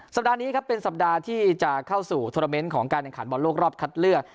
สัปดาห์นี้ครับเป็นสัปดาห์ที่จะเข้าสู่โทรเมนต์ของการแข่งขันบอลโลกรอบคัดเลือก